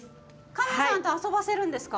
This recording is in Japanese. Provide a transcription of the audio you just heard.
カメさんと遊ばせるんですか？